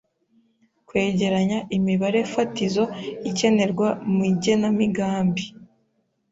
Kwegeranya imibare fatizo ikenerwa mu igenamigambi